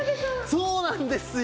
そうなんですよ。